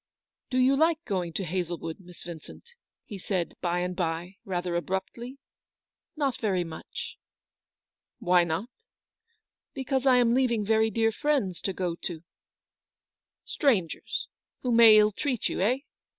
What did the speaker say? " Do you like going to Hazlewood, Miss Yin cent ?" he said, by and by, rather abruptly. " Not very much." "« Why not?" " Because I am leaving very dear friends to go to—" " Strangers, who may illtreat you, eh